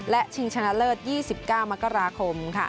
และชิงชนะเลิศ๒๙มกราคม